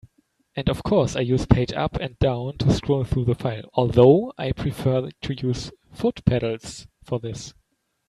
And of course I use page up and down to scroll through the file, although I prefer to use foot pedals for this.